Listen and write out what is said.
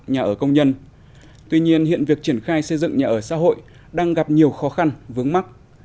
nhà ở công nhân tuy nhiên hiện việc triển khai xây dựng nhà ở xã hội đang gặp nhiều khó khăn vướng mắt